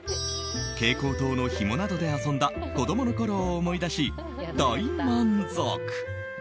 蛍光灯のひもなどで遊んだ子供のころを思い出し大満足。